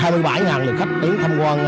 hai mươi bảy lượng khách đến tham quan